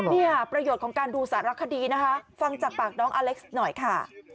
นี่ค่ะประโยชน์ของการดูสารคดีนะคะฟังจากปากน้องอเล็กซ์หน่อยค่ะ